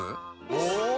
お！